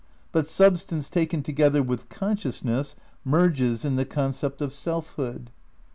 But substance taken together with consciousness merges in the concept of Selfhood.